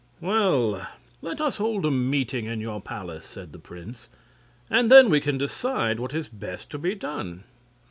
"Well, let us hold a meeting in your palace," said the prince, "and then we can decide what is best to be done."